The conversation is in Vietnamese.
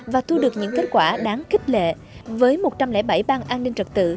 và thu được những kết quả đáng kích lệ với một trăm linh bảy bang an ninh trật tự